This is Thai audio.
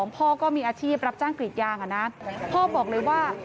พ่อก็มีอาชีพรับจ้างกรีดยางอะนะพ่อบอกเลยว่า